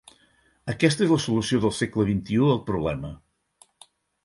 Aquesta és la solució del segle XXI al problema.